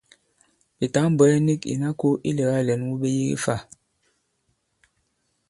Ɓè tǎŋ-bwɛ̀ɛ nik ìna kō ilɛ̀gâ lɛ̌n wu ɓe yege fâ?